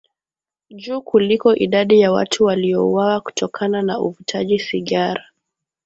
juu kuliko idadi ya watu waliouawa kutokana na uvutaji sigara